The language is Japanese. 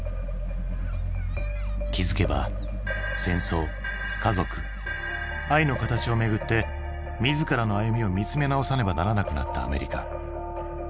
気付けば戦争家族愛の形をめぐって自らの歩みを見つめ直さねばならなくなったアメリカ。